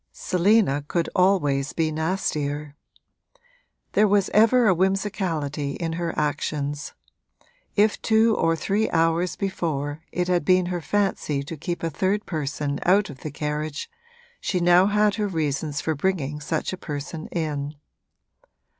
Selina could always be nastier. There was ever a whimsicality in her actions: if two or three hours before it had been her fancy to keep a third person out of the carriage she had now her reasons for bringing such a person in.